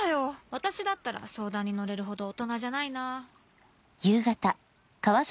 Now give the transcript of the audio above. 私だったら相談に乗れるほど大人じゃないな。